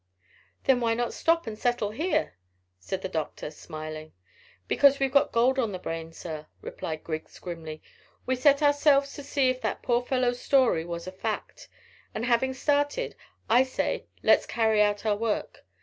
"Then why not stop and settle here?" said the doctor, smiling. "Because we've got gold on the brain, sir," replied Griggs grimly. "We set ourselves to see if that poor old fellow's story was a fact, and having started, I say let's carry out our work.